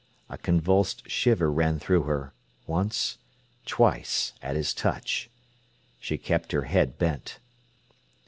A convulsed shiver ran through her, once, twice, at his touch. She kept her head bent.